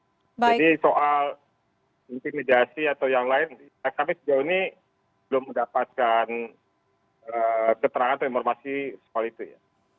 jadi soal intimidasi atau yang lain kami sejauh ini belum mendapatkan keterangan atau informasi soal itu ya